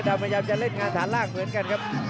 พยายามจะเล่นงานฐานล่างเหมือนกันครับ